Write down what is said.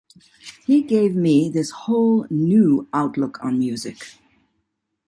He gave me this whole new outlook on music.